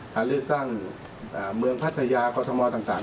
การเลือกตั้งเมืองพัทยากรทมต่าง